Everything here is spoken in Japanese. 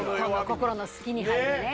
心の隙に入るね。